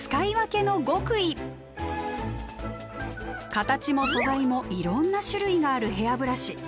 形も素材もいろんな種類があるヘアブラシ。